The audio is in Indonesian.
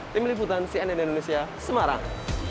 tim liputan cnn indonesia semarang